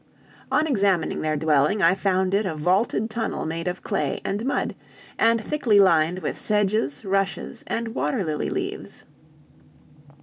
"On examining their dwelling I found it a vaulted tunnel made of clay and mud, and thickly lined with sedges, rushes, and water lily leaves.